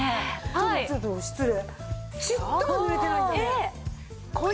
ちょっとちょっと失礼。